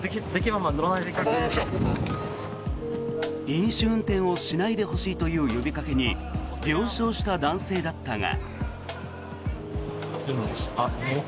飲酒運転をしないでほしいという呼びかけに了承した男性だったが。